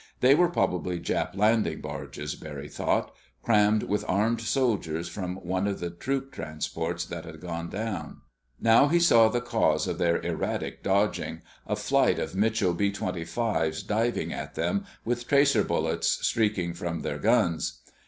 They were probably Jap landing barges, Barry thought, crammed with armed soldiers from one of the troop transports that had gone down. Now he saw the cause of their erratic dodging—a flight of Mitchell B 25's diving at them, with tracer bullets streaking from their guns.